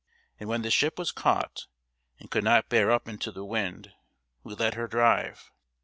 And when the ship was caught, and could not bear up into the wind, we let her drive.